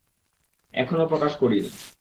এখনও প্রকাশ করিনি।